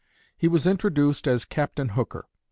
He was introduced as "Captain Hooker."